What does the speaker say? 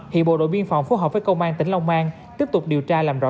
hiện bộ đội biên phòng phối hợp với công an tỉnh long an tiếp tục điều tra làm rõ